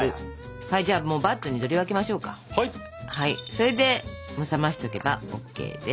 それで冷ましておけばＯＫです。